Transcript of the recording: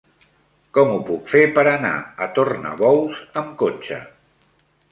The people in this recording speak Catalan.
Com ho puc fer per anar a Tornabous amb cotxe?